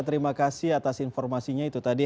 terima kasih atas informasinya itu tadi